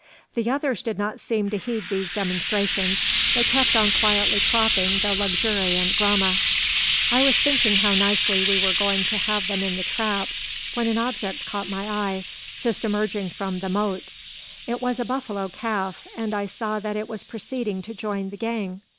The others did not seem to heed these demonstrations, but kept on quietly cropping the luxuriant grama. I was thinking how nicely we were going to have them in the trap, when an object caught my eye, just emerging from the motte. It was a buffalo calf, and I saw that it was proceeding to join the gang.